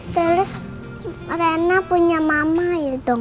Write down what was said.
terus reina punya mama ya dong